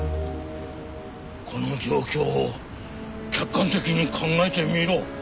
この状況を客観的に考えてみろ。